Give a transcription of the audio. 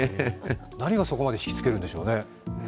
何がそこまで引き付けるんでしょうかね。